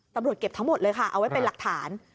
ตำรวจเก็บทั้งหมดเลยค่ะเอาไว้เป็นหลักฐาน